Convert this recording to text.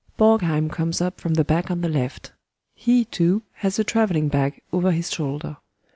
] [BORGHEIM comes up from the back on the left. He, too, has a travelling bag over his shoulder.